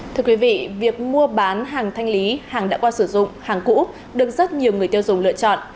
thưa quý vị việc mua bán hàng thanh lý hàng đã qua sử dụng hàng cũ được rất nhiều người tiêu dùng lựa chọn